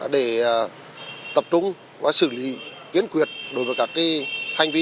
để tập trung và xử lý kiến quyết đối với các cái hành vi